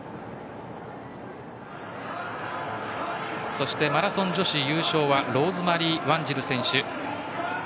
そして、マラソン女子優勝はローズマリー・ワンジル選手。